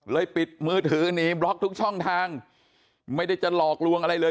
ปิดมือถือหนีบล็อกทุกช่องทางไม่ได้จะหลอกลวงอะไรเลย